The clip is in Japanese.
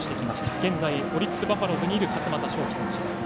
現在オリックス・バファローズにいる勝俣翔貴選手です。